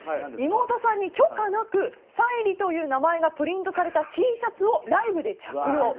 妹さんに許可なく沙莉という名前がプリントされたＴシャツをライブで着用。